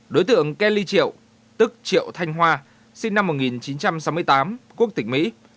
đối tượng kelly triệu tức triệu thanh hoa sinh năm một nghìn chín trăm sáu mươi tám quốc tỉnh mỹ